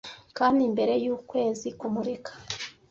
kandi imbere y'ukwezi kumurika